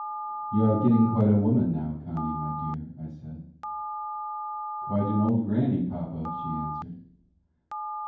"You are getting quite a woman now, Connie, my dear," I said. "Quite an old grannie, papa," she answered.